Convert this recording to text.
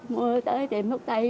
mua tới tiệm thuốc tay